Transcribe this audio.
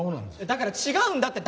だから違うんだって。